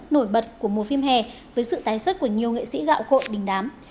nổi bật của mùa phim hè với sự tái xuất của nhiều nghệ sĩ gạo cội đình đám